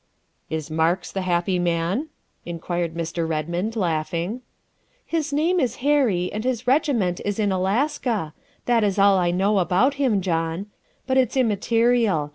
"" Is Marks the happy man?" inquired Mr. Kedmond, laughing. ' His name is Harry, and his regiment is in Alaska that is all I know about him, John. But it's immaterial.